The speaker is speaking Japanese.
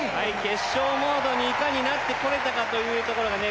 決勝モードにいかになってこれたかというところがね